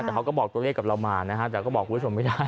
แต่เขาก็บอกตัวเลขกับเรามานะฮะแต่ก็บอกคุณผู้ชมไม่ได้